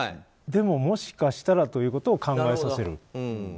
でも、もしかしたらということを考えさせる。